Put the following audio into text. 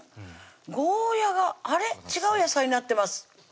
ゴーヤがあれっ違う野菜になってます